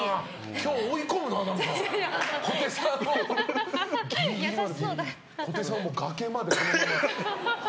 今日、追い込むな、何か。